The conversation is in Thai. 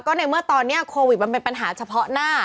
โครโวิดมันเป็นปัญหาเฉพาะหน้า